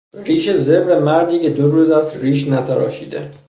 ریش زبر مردی که دو روز است ریش نتراشیده